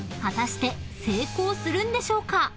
［果たして成功するんでしょうか］